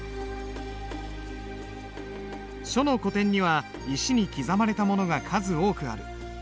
書の古典には石に刻まれたものが数多くある。